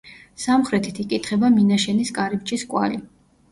სამხრეთით იკითხება მინაშენის კარიბჭის კვალი.